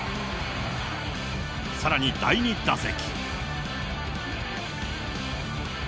さらに第２打席。